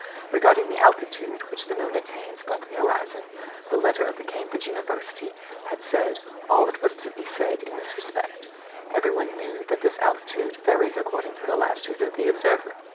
Regarding the altitude which the moon attains above the horizon, the letter of the Cambridge Observatory had said all that was to be said in this respect. Every one knew that this altitude varies according to the latitude of the observer.